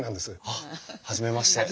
あっ初めまして。